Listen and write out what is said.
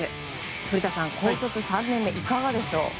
古田さん、高卒３年目いかがでしょう？